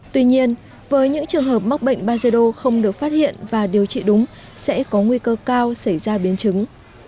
tuy nhiên với những trường hợp mắc bệnh bajedo không được phát hiện và điều trị đúng sẽ có nguy cơ cao xảy ra biến chứng